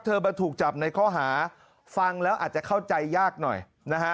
มาถูกจับในข้อหาฟังแล้วอาจจะเข้าใจยากหน่อยนะฮะ